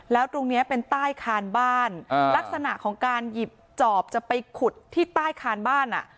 แล้วตรงนี้เป็นใต้คานบ้านลักษณะของการหยิบจอบจะไปขุดที่ใต้คานบ้านอ่ะ